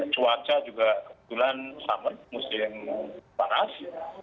cuaca juga kebetulan summer musim panas